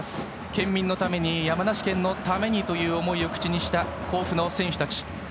県民のために山梨県のためにという思いを口にした甲府の選手たち。